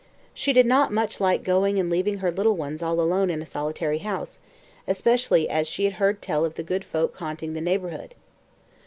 She did not much like going and leaving her little ones all alone in a solitary house, especially as she had heard tell of the good folk haunting the neighbourhood.